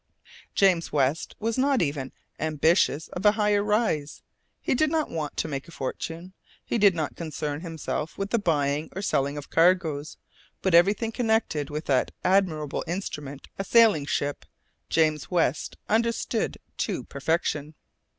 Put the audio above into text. James West was not even ambitious of a higher rise; he did not want to make a fortune; he did not concern himself with the buying or selling of cargoes; but everything connected with that admirable instrument a sailing ship, James West understood to perfection.